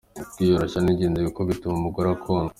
Kwiyoroshya ni ingenzi kuko bituma umugore akundwa.